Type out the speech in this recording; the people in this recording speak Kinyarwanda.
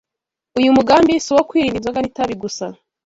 Uyu mugambi si uwo kwirinda inzoga n’itabi gusa;